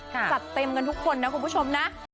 จัดเต็มกันทุกคนนะคุณผู้ชมนะ